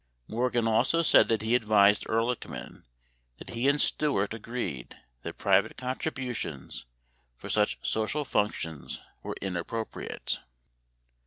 80 Mor gan also said that he advised Ehrlichman that he and Stuart agreed that private contributions for such social functions were inappropriate.